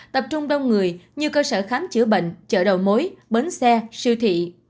tập trung đông người như cơ sở khám chữa bệnh chợ đầu mối bến xe siêu thị